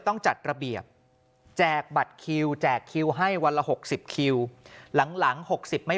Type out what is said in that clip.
ต้องจัดระเบียบแจกบัตรคิวแจกคิวให้วันละ๖๐คิวหลัง๖๐ไม่